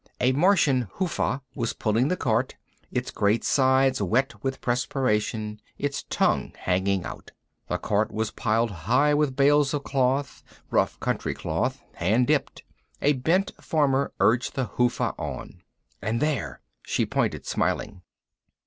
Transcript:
A Martian hufa was pulling the cart, its great sides wet with perspiration, its tongue hanging out. The cart was piled high with bales of cloth, rough country cloth, hand dipped. A bent farmer urged the hufa on. "And there." She pointed, smiling.